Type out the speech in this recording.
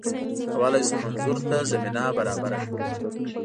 کولای شو منظور ته زمینه برابره کړي